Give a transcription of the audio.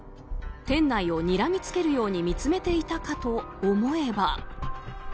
店内をにらみつけるように見つめていたかと思えば。